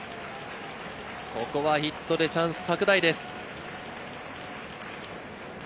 ヒットでチャンス拡大です。